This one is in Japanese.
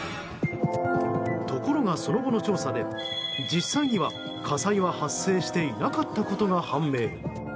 ところが、その後の調査で実際には火災は発生していなかったことが判明。